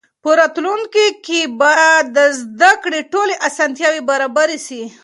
په راتلونکي کې به د زده کړې ټولې اسانتیاوې برابرې سي.